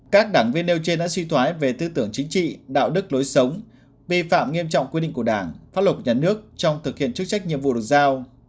các đảng viên nêu trên đã suy thoái về tư tưởng chính trị đạo đức lối sống vi phạm nghiêm trọng quy định của đảng pháp luật nhà nước trong thực hiện chức trách nhiệm vụ được giao